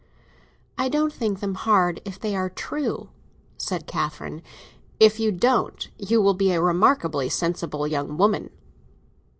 "I won't think them hard if they are true," said Catherine. "If you don't, you will be a remarkably sensible young woman!"